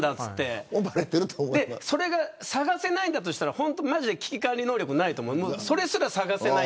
それが探せないんだとしたら危機管理能力がないと思う。